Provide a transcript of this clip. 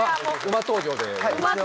馬登場で。